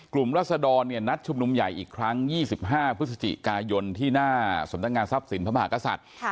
กลุ่มรัศดรเนี่ยนัดชุมนุมใหญ่อีกครั้ง๒๕พฤศจิกายนที่หน้าสนับงานทรัพย์ศิลประมาหกษัตริย์